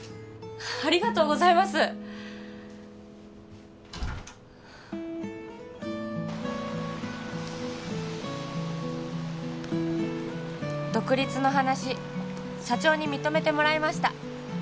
ありがとうございます「独立の話社長に認めてもらえました！」